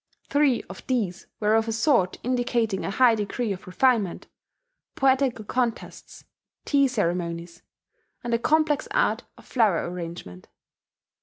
Three of these were of a sort indicating a high degree of refinement: poetical contests, tea ceremonies, and the complex art of flower arrangement.